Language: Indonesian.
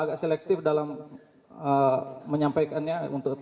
agak selektif dalam menyampaikannya